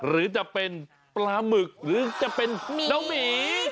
หรือจะเป็นปลาหมึกหรือจะเป็นน้องหมี